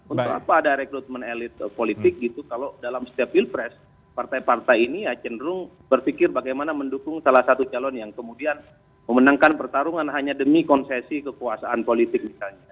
untuk apa ada rekrutmen elit politik gitu kalau dalam setiap pilpres partai partai ini ya cenderung berpikir bagaimana mendukung salah satu calon yang kemudian memenangkan pertarungan hanya demi konsesi kekuasaan politik misalnya